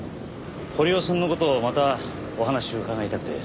堀尾さんの事をまたお話伺いたくて。